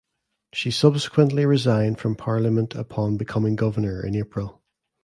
She subsequently resigned from parliament upon becoming Governor in April.